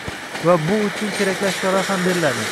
va bu uchun kerakli ashyolar ham beriladi.